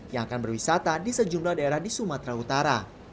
yang akan berwisata di sejumlah daerah di sumatera utara